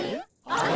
あれ？